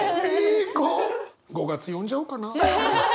５月呼んじゃおうかな。